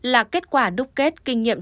là kết quả đúc kết kinh nghiệm